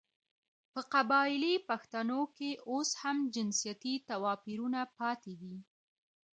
په قبايلي پښتانو کې اوس هم جنسيتي تواپيرونه پاتې دي .